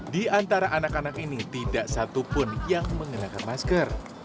di antara anak anak ini tidak satupun yang mengenakan masker